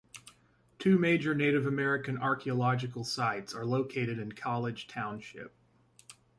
Two major Native American archaeological sites are located in College Township.